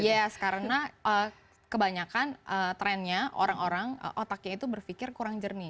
yes karena kebanyakan trennya orang orang otaknya itu berpikir kurang jernih